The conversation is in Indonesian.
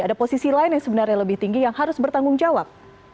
ada posisi lain yang sebenarnya lebih tinggi yang harus bertanggung jawab